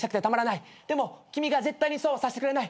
でも君が絶対にそうはさせてくれない。